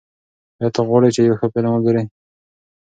ایا ته غواړې چې یو ښه فلم وګورې؟